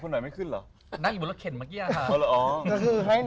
อันนี้ไงน้องเนี่ย